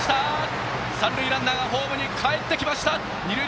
三塁ランナーがホームにかえった！